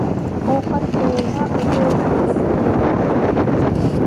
Оокат кылууга өтө эле аз, дейт ал.